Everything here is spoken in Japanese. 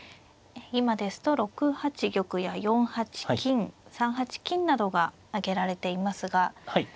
今ですと６八玉や４八金３八金などが挙げられていますが。